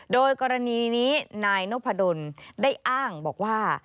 โดยกรณีนี้นายนพดลได้อ้างบอกว่า